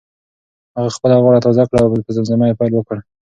هغه خپله غاړه تازه کړه او په زمزمه یې پیل وکړ.